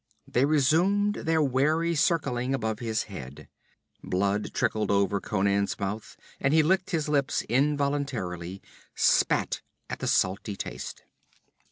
They resumed their wary circling above his head. Blood trickled over Conan's mouth, and he licked his lips involuntarily, spat at the salty taste.